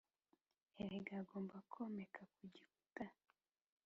Urega agomba komeka ku gikuta.